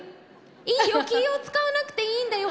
いいよ気を遣わなくていいんだよ。